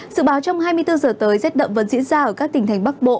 sự báo trong hai mươi bốn giờ tới rét đậm vẫn diễn ra ở các tỉnh thành bắc bộ